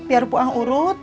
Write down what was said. biar puang urut